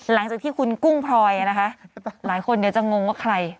หลังจากที่คุณกุ้งพลอยนะคะหลายคนเดี๋ยวจะงงว่าใคร